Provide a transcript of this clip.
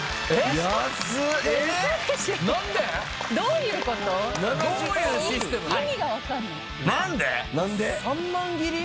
３万切り？